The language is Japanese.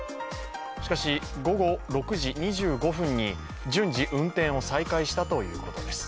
しかし、午後６時２５分に順次運転を再開したということです。